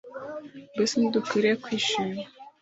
Mbese ntidukwiriye kwishima